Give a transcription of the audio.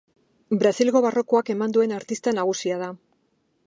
Brasilgo barrokoak eman duen artista nagusia da.